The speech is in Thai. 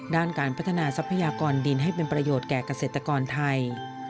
ด้านการพัฒนาทรัพยากรดินให้เป็นประโยชน์แก่เกษตรกรไทย